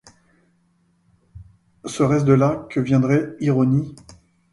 Serait-ce de là que viendrait ironie?